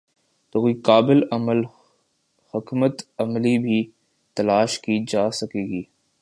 تو کوئی قابل عمل حکمت عملی بھی تلاش کی جا سکے گی۔